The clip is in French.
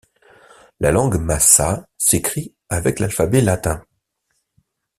La langue massa s'écrit avec l'alphabet latin.